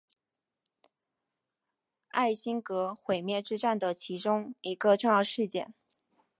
艾辛格毁灭之战的其中一个重要事件。